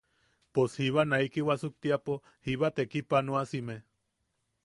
Pos jiba naiki wasuktepo jiba tekipanoasime.